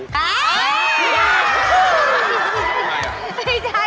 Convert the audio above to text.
นั่งนะเดี๋ยวทำให้ดู